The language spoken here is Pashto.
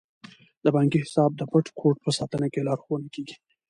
د بانکي حساب د پټ کوډ په ساتنه کې لارښوونه کیږي.